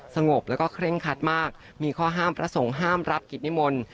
สงบแล้วก็เคร่งคัดมากมีข้อห้ามพระสงฆ์ห้ามรับกิจนิมนต์